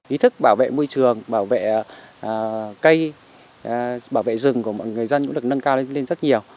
ý thức bảo vệ môi trường bảo vệ cây bảo vệ rừng của mọi người dân cũng được nâng cao lên rất nhiều